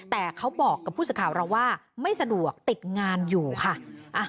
แต่เขาบอกกับผู้สื่อข่าวเราว่าไม่สะดวกติดงานอยู่ค่ะ